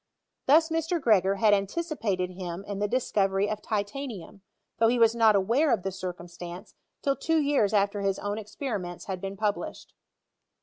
Thus Mr. Gregor had anticipated him in the discovery of titanium, though he was not aware of the circumstance till two years after his own ex periments had been published.